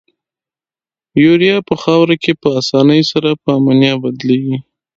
یوریا په خاوره کې په اساني سره په امونیا بدلیږي.